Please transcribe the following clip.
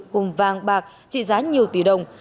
cùng vàng bạc trị giá nhiều tỷ đồng